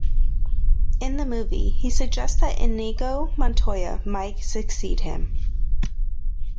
In the movie, he suggests that Inigo Montoya might succeed him.